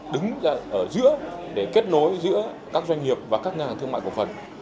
đứng ở giữa để kết nối giữa các doanh nghiệp và các ngân hàng thương mại của phần